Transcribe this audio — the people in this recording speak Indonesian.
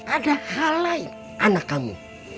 ada hal lain anak kamu